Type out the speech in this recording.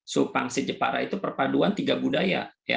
sup pangsit jepara itu perpaduan tiga budaya